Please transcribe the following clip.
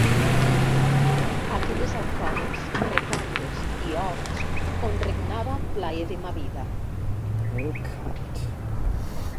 Aquelles alcoves, recambres i horts on regnava Plaerdemavida.